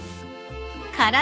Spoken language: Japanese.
［から